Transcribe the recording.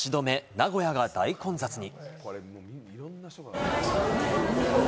名古屋が大混雑に！